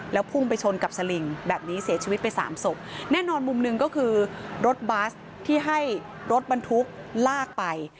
แล้วพุ่งไปชนกับสลิงแบบนี้เสียชีวิตไปสามศพแน่นอนมุมหนึ่งก็คือรถบัสที่ให้รถบรรทุกลากไป